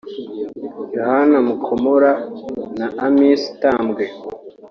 Yohana Mkomola na Amiss Tambwe